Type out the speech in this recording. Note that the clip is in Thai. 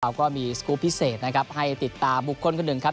เราก็มีสกรูปพิเศษนะครับให้ติดตามบุคคลคนหนึ่งครับ